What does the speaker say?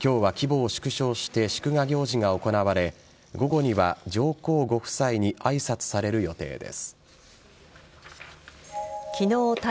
今日は、規模を縮小して祝賀行事が行われ午後には上皇ご夫妻に挨拶される予定です。